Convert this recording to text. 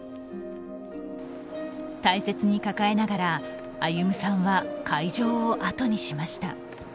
大切に抱えながら歩さんは会場をあとにしました。